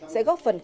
sẽ góp phần cơm